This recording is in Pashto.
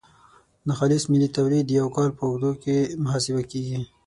ناخالص ملي تولید د یو کال په اوږدو کې محاسبه کیږي.